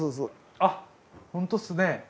あっホントっすね。